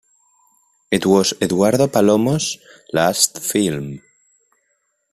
It was Eduardo Palomo's last film.